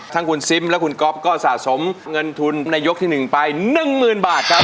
ทั้งคุณซิมและคุณก๊อฟก็สะสมเงินทุนในยกที่๑ไป๑๐๐๐บาทครับ